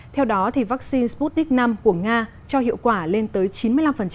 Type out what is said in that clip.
theo đó vaccine sputnik v của nga cho hiệu quả lên tới chín mươi năm